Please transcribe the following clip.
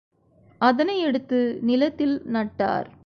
அதனை எடுத்து நிலத்தில் நட்டார்.